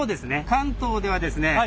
関東ではですね